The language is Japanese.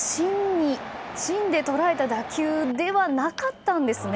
芯で捉えた打球ではなかったんですね。